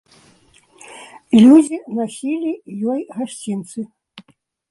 Людзі насілі ёй гасцінцы.